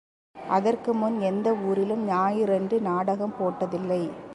அதற்குமுன் எந்த ஊரிலும் ஞாயிறன்று நாடகம் போட்டதில்லை.